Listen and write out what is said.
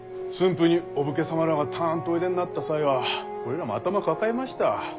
府にお武家様らがたんとおいでになった際は俺らも頭抱えました。